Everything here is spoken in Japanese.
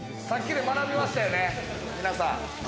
さっきで学びましたよね、皆さん。